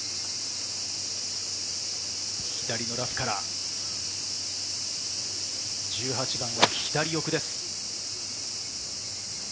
左のラフから、１８番、左奥です。